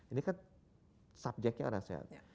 ini kan subjeknya orang sehat